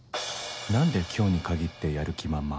何で今日に限ってやる気満々？